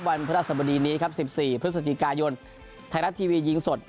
วันพระสมดีนี้๑๔พฤศจิกายนไทยรัฐทีวียิงสด